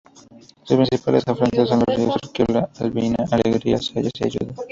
Sus principales afluentes son los ríos Urquiola, Albina, Alegría, Zayas y Ayuda.